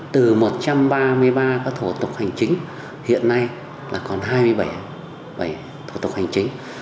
từ một trăm ba mươi ba thổ tục hành chính hiện nay còn hai mươi bảy thổ tục hành chính